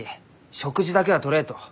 食事だけはとれと。